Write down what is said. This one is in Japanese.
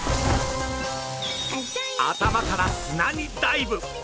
頭から砂にダイブ！